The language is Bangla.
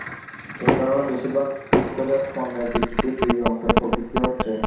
এ কারণে বেশির ভাগ দুগ্ধজাত পণ্যের বিক্রিতে দুই অঙ্কের প্রবৃদ্ধি হচ্ছে।